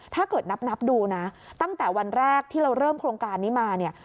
ถ้าเกิดนับดูนะตั้งแต่วันแรกที่เราเริ่มโครงการนี้มาเนี่ย